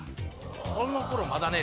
この頃まだね